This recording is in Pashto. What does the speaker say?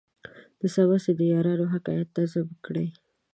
د څمڅې د یارانو حکایت نظم کړی.